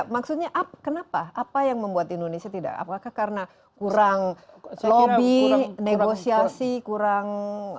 maksudnya kenapa apa yang membuat indonesia tidak apakah karena kurang lobby negosiasi kurang